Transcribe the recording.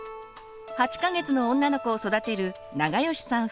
８か月の女の子を育てる永吉さん